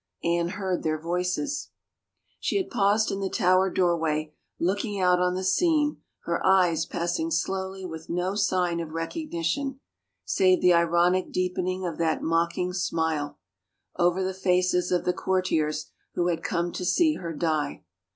Anne heard their voices. She had paused in the Tower doorway, looking out on the scene, her eyes passing slowly with no sign of recognition, save the ironic deepening of that mocking smile, over the faces of the courtiers who had come to see her die.